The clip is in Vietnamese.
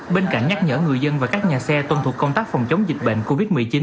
bên cạnh nhắc nhở người dân và các nhà xe tuân thủ công tác phòng chống dịch bệnh covid một mươi chín